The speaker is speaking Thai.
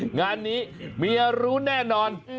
งานนี้เมียรู้แน่นอน